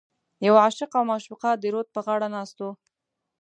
یو عاشق او معشوقه د رود په غاړه ناست و.